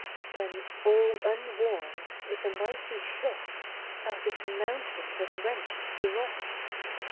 Then all unwarned, with a mighty shock Out of the mountain was wrenched the rock.